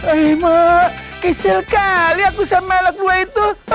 eh emang kesel kali aku sama elok dua itu